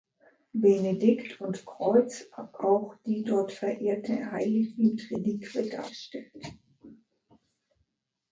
Benedikt und Kreuz auch die dort verehrte Heilig-Blut-Reliquie darstellt.